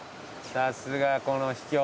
さすがこの秘境。